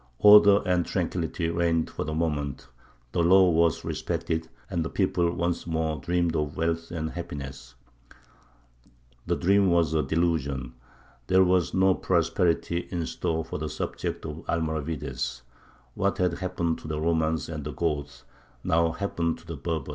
Order and tranquillity reigned for the moment; the law was respected, and the people once more dreamed of wealth and happiness. The dream was a delusion. There was no prosperity in store for the subjects of the Almoravides. What had happened to the Romans and the Goths now happened to the Berbers.